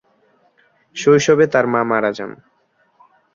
শৈশবে তার মা মারা যান।